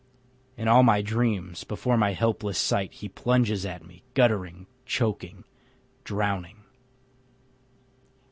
In all my dreams before my helpless sight He plunges at me, guttering, choking, drowning.